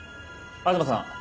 東さん。